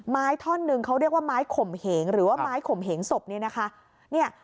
ท่อนหนึ่งเขาเรียกว่าไม้ข่มเหงหรือว่าไม้ข่มเหงศพเนี่ยนะคะ